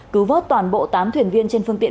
cứu vớt toàn bộ tám thuyền viên trên phương tiện